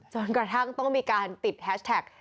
จนกระทั่งต้องมีการติดแฮชแท็ก